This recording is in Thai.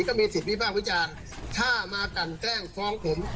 ก็มีสิทธิวิภาควิจารณ์ถ้ามากันแกล้งฟ้องผม